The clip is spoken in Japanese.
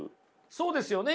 そうですよね！